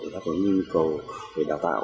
đáp ứng nhu cầu về đào tạo